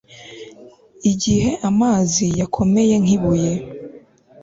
igihe amazi yakomeye nk'ibuye